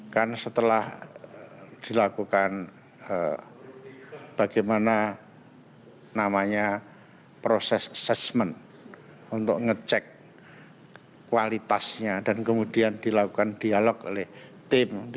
kan setelah dilakukan bagaimana namanya proses assessment untuk ngecek kualitasnya dan kemudian dilakukan dialog oleh tim